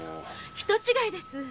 人違いです。